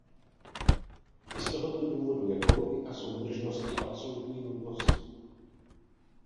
I z tohoto důvodu je politika soudržnosti absolutní nutností.